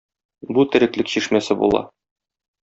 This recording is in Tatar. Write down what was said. Бу тереклек чишмәсе була.